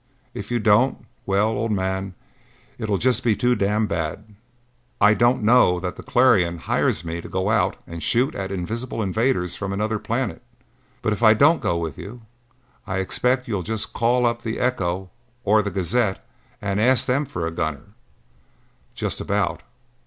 If you don't well, old man, it'll just be too damned bad." "I don't know that the Clarion hires me to go out and shoot at invisible invaders from another planet, but if I don't go with you, I expect you'd just about call up the Echo or the Gazette and ask them for a gunner." "Just about."